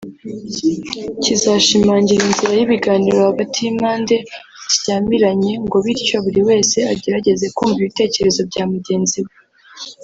kizashimangira inzira y’ibiganiro hagati y’impande zishyamiranye ngo bityo buri wese agerageze kumva ibitekerezo bya mugenzi we